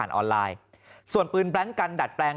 ออนไลน์ส่วนปืนแบล็งกันดัดแปลง